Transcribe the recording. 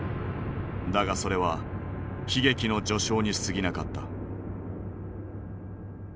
だがそれは悲劇の序章にすぎなかった。